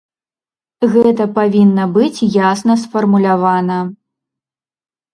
Гэта павінна быць ясна сфармулявана.